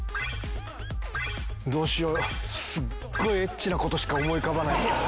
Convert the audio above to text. どうしようすっごいエッチな事しか思い浮かばないです。